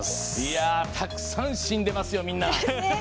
たくさん死んでますよ、みんな。